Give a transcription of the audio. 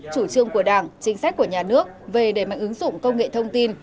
chủ trương của đảng chính sách của nhà nước về đẩy mạnh ứng dụng công nghệ thông tin